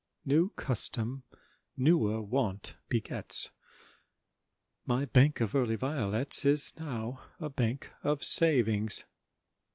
New custom newer want begets— My bank of early violets Is now a bank of—savings.